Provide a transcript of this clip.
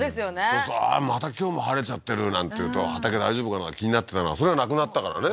そうするとまた今日も晴れちゃってるなんていうと畑大丈夫かな気になってたのがそれがなくなったからね